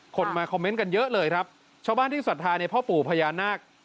คนมาคอมเมนต์กันเยอะเลยครับชาวบ้านที่ศรัทธาในพ่อปู่พญานาค